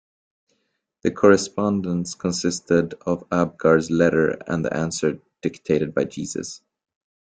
The correspondence consisted of Abgar's letter and the answer dictated by Jesus.